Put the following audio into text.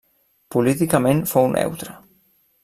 Políticament fou neutre.